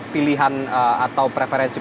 pilihan atau preferensi